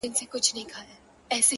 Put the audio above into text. دلته ما په خپلو سترګو دي لیدلي ,